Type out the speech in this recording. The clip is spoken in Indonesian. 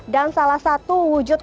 dan salah satu wujud